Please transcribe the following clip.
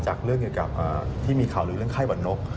เรื่องเกี่ยวกับที่มีข่าวลือเรื่องไข้หวัดนก